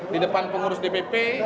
di depan pengurus dpp